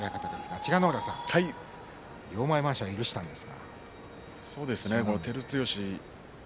千賀ノ浦さん、両前まわしねらいでしたんですが。